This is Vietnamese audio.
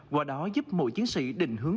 qua đó giúp mỗi chiến sĩ định hướng